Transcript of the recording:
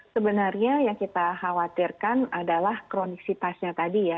sebenarnya yang kita khawatirkan adalah kronisitasnya tadi ya